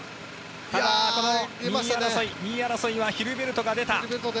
この２位争いはヒルベルトが出た。